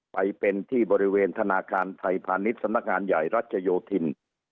ไปเป็นที่บริเวณธนาคารไทยพาณิชย์สำนักงานใหญ่รัชโยธิน